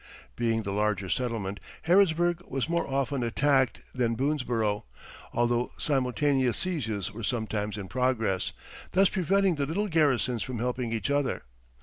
Being the larger settlement, Harrodsburg was more often attacked than Boonesborough, although simultaneous sieges were sometimes in progress, thus preventing the little garrisons from helping each other.